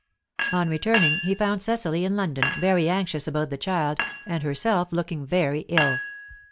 On returning, he found Cecily in London, very anxious about the child, and herself looking very ill.